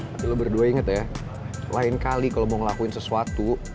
tapi lo berdua inget ya lain kali kalau mau ngelakuin sesuatu